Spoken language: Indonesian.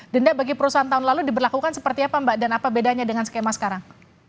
denda bagi perusahaan tahun lalu diberlakukan seperti apa mbak dan apa bedanya dengan skema sekarang